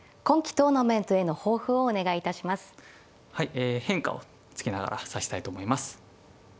え変化をつけながら指したいと思います。